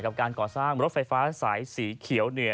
กับการก่อสร้างรถไฟฟ้าสายสีเขียวเหนือ